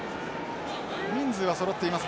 人数はそろっています。